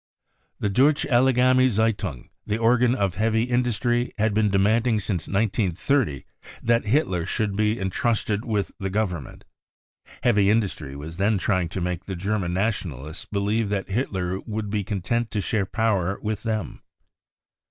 The Deutsche Allgemeine Z titling , the organ of heavy industry, had been demanding since 1930 that Hitler should be entrusted with the government. Heavy industry was then trying to make the German Nationalists believe that Hitler would be content to share power with them.